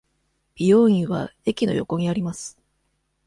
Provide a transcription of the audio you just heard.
美容院は駅の横にあります。